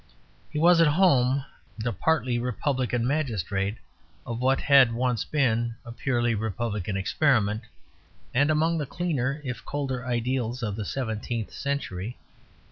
He was at home the partly republican magistrate of what had once been a purely republican experiment, and among the cleaner if colder ideals of the seventeenth century.